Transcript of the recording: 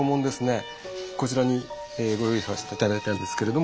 こちらにご用意させて頂いたんですけれども